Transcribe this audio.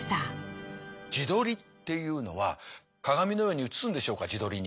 自撮りっていうのは鏡のように映すんでしょうか自撮りに。